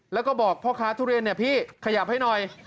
แล้วก็บอกพ่อค้าทุเรียนเนี่ยพี่ขยับให้หน่อย